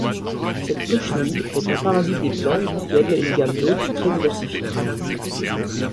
Cette cochenille est un parasite des plantes qui admet une gamme d'hôtes très diversifiée.